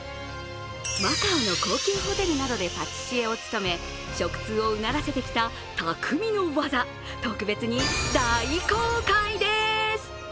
マカオの高級ホテルなどでパティシエを務め食通をうならせてきた、たくみの技特別に大公開でーす。